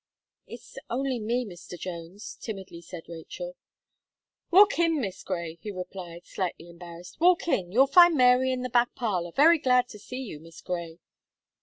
"It's only me, Mr. Jones," timidly said Rachel. "Walk in, Miss Gray," he replied, slightly embarrassed, "walk in, you'll find Mary in the back parlour, very glad to see you, Miss Gray."